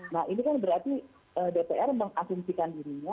nah ini kan berarti dpr mengasumsikan dirinya